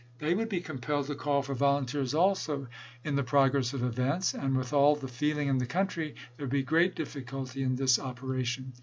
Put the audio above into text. They would be compelled to call for volunteers also, in the progress of events, and, with the feeling in the country, there would be great dif ficulty in this operation.